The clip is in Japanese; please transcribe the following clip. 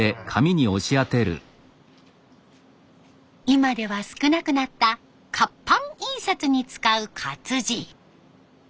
今では少なくなった活版印刷に使う活字。